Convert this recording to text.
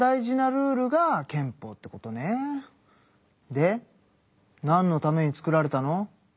でなんのために作られたの？